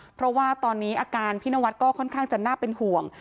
เพราะว่าตอนนี้อาการพี่นวัดก็ค่อนข้างจะน่าเป็นห่วง